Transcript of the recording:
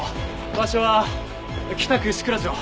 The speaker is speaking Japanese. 場所は北区紫倉町。